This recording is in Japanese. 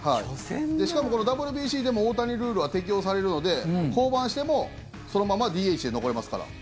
しかも、ＷＢＣでも大谷ルールは適用されるので降板してもそのままＤＨで残れますから。